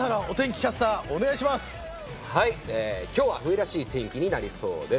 キャスター今日は冬らしいお天気になりそうです。